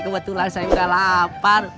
kebetulan saya udah lapar